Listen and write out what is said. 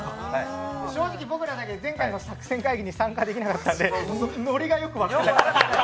正直、僕らだけ前回の作戦会議に参加できなかったのでノリがよく分からない。